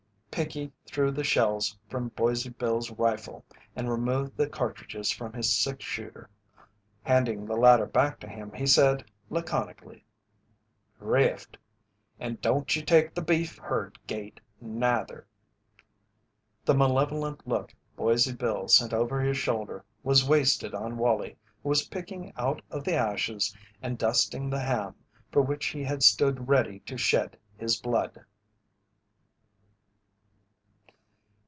Pinkey threw the shells from Boise Bill's rifle and removed the cartridges from his six shooter. Handing the latter back to him he said laconically: "Drift! And don't you take the beef herd gait, neither." The malevolent look Boise Bill sent over his shoulder was wasted on Wallie who was picking out of the ashes and dusting the ham for which he had stood ready to shed his blood.